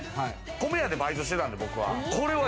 米屋でバイトしていたんで僕は。